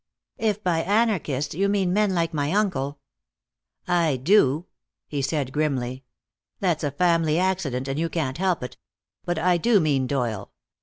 "If by anarchists you mean men like my uncle " "I do," he said grimly. "That's a family accident and you can't help it. But I do mean Doyle.